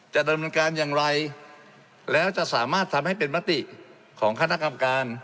จะดำเนินการอย่างไรแล้วจะสามารถทำให้เป็นมติของคณะกรรมการ